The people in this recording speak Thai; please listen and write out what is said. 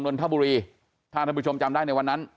นนทบุรีถ้าท่านผู้ชมจำได้ในวันนั้น